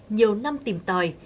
nhiều năm tìm tòi